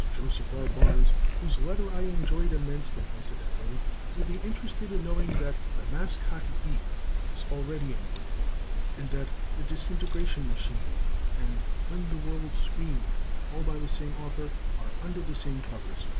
Joseph R. Barnes whose letter I enjoyed immensely, incidentally will be interested in knowing that "The Mascot Deep" is already in book form and that "The Disintegration Machine" and "When the World Screamed," all by the same author, are under the same covers.